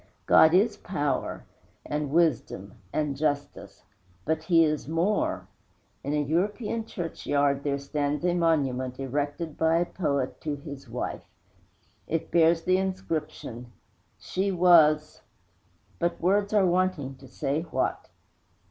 God is Power and Wisdom and Justice but He is more. In a European churchyard there stands a monument erected by a poet to his wife. It bears the inscription: She was , But words are wanting to say what!